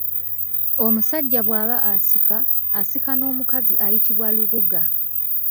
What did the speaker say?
Omusajja bwaba asika, asika n’omukazi ayitibwa Lubuga.